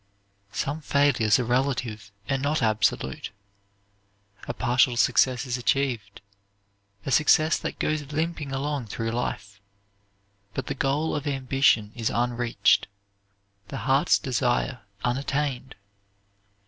Some failures are relative and not absolute; a partial success is achieved; a success that goes limping along through life; but the goal of ambition is unreached, the heart's desire unattained.